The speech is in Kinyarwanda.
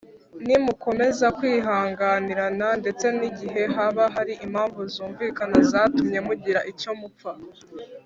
nimukomeza kwihanganirana ndetse n igihe haba hari impamvu zumvikana zatumye mugira icyo mupfa